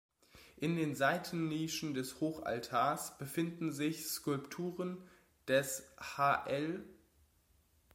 In den Seitennischen des Hochaltars befinden sich Skulpturen des Hl.